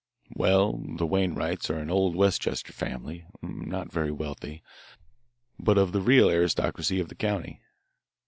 "Well, the Wainwrights are an old Westchester family, not very wealthy, but of the real aristocracy of the county.